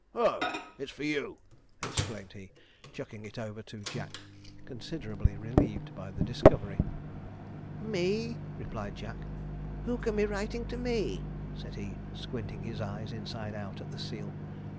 'Oh, it's for you!' exclaimed he, chucking it over to Jack, considerably relieved by the discovery. 'Me!' replied Jack. 'Who can be writing to me?' said he, squinting his eyes inside out at the seal.